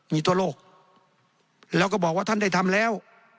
มีทั่วโลกแล้วก็บอกว่าท่านได้ทำแล้ว